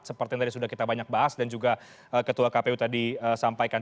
seperti yang tadi sudah kita banyak bahas dan juga ketua kpu tadi sampaikan